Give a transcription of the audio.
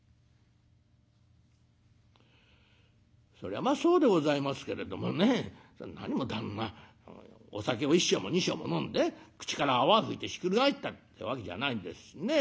「そりゃまあそうでございますけれどもね何も旦那お酒を１升も２升も飲んで口から泡吹いてひっくり返ったってわけじゃないんですしね。